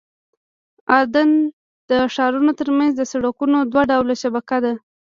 د اردن د ښارونو ترمنځ د سړکونو دوه ډوله شبکه ده.